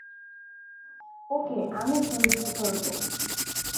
ওকে, আমি ধৈর্য ধরব।